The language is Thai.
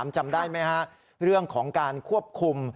จำได้ไหมฮะเรื่องของการควบคุม